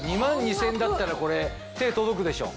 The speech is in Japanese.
２万２０００円だったらこれ手届くでしょ。